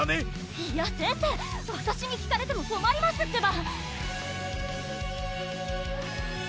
⁉いや先生わたしに聞かれてもこまりますってば！